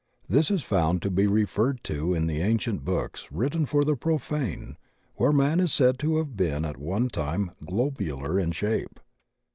This is found to be referred to in the ancient books written for the profane where man is said to have been at one time globular in shape.